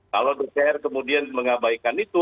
kalau dpr kemudian mengabaikan itu